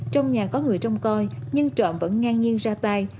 trong nhà có người trông coi nhưng trọn vẫn ngang nhiên ra tay